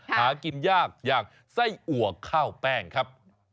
หากินยากอย่างไส้อัวข้าวแป้งครับ